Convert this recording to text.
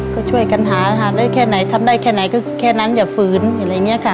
ก็ช่วยกันหานะคะได้แค่ไหนทำได้แค่ไหนก็แค่นั้นอย่าฝืนอะไรอย่างนี้ค่ะ